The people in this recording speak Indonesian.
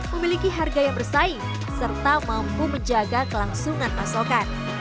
memiliki harga yang bersaing serta mampu menjaga kelangsungan pasokan